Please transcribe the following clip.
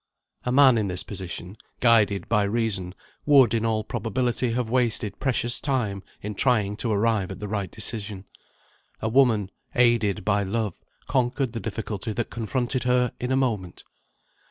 A man in this position, guided by reason, would in all probability have wasted precious time in trying to arrive at the right decision. A woman, aided by love, conquered the difficulty that confronted her in a moment.